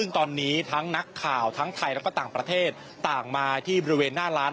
ซึ่งตอนนี้ทั้งนักข่าวทั้งไทยและก็ต่างประเทศต่างมาที่บริเวณหน้าร้าน